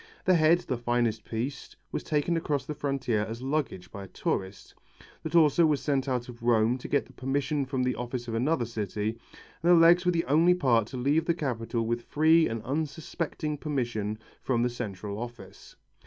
The head, the finest piece, was taken across the frontier as luggage by a tourist, the torso was sent out of Rome to get the permission from the office of another city, and the legs were the only part to leave the capital with free and unsuspecting permission from the Central Office.